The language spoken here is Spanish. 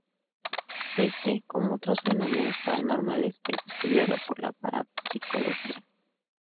Éste, como otros fenómenos paranormales, es estudiado por la parapsicología.